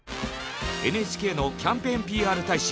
ＮＨＫのキャンペーンＰＲ大使